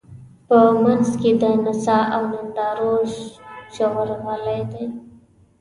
په منځ کې د نڅا او نندارو ژورغالی دی.